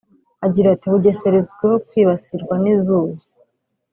Agira ati "Bugesera izwiho kwibasirwa n’izuba